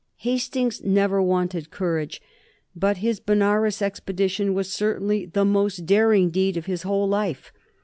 Hastings never wanted courage, but his Benares expedition was certainly the most daring deed of his whole life.